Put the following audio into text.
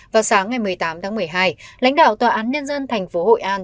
vào sáng ngày một mươi tám tháng một mươi hai lãnh đạo tòa án nhân dân tp hội an